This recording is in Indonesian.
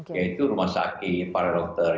yaitu rumah sakit para dokter